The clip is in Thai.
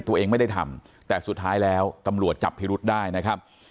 ตัวเองไม่ได้ทำแต่สุดท้ายแล้วตำรวจจับพิรุษได้นะครับ